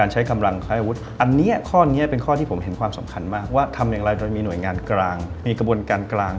ร้ายมีหน่วยงานกลางมีกระบวนการกลาง